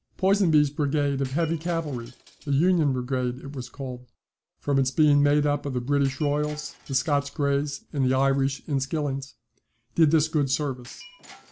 Ponsonby's brigade of heavy cavalry (the Union Brigade as it was called, from its being made up of the British Royals, the Scots Greys, and the Irish Inniskillings), did this good service.